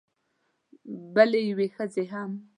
بلې یوې ښځې هم